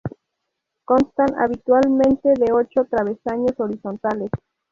Constan habitualmente de ocho travesaños horizontales.